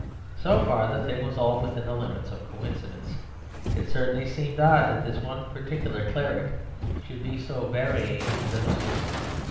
So far the thing was all within the limits of coincidence. It certainly seemed odd that this one particular cleric should be so varying and elusive.